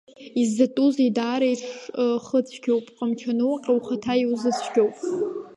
Изӡатәузеи, даара иҽхыцәгьоуп, ҟамч ануҟьа ухаҭа иузыцәгьоуп.